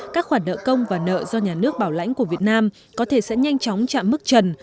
các khoản nợ công và nợ do nhà nước bảo lãnh của việt nam có thể sẽ nhanh chóng chạm mức trần